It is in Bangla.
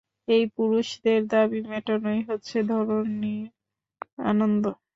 এই পুরুষদের দাবি মেটানোই হচ্ছে ধরণীর আনন্দ।